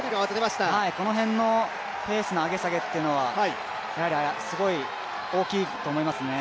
この辺のペースの上げ下げはすごい大きいと思いますね。